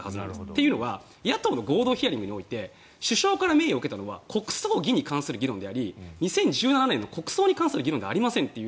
というのは野党の合同ヒアリングにおいて首相から受けたのは国葬儀に関する議論であり２０１７年の国葬に関する議論ではありません。